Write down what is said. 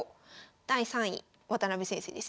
第３位渡辺先生ですね。